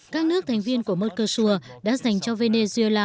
các nước thành viên của moscosur đã dành cho venezuela